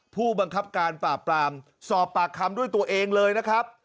ผู้บังคับการปราบปรามสอบปากคำด้วยตัวเองเลยนะครับ